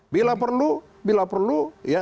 bila perlu bila perlu